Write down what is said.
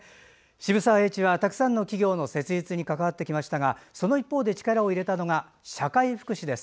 渋沢栄一はたくさんの企業の設立に関わってきましたがその一方で力を入れたのが社会福祉です。